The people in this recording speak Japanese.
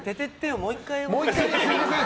もう１回。